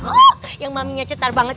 oh yang maminya cetar banget